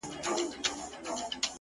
هم دي د سرو سونډو په سر كي جـادو،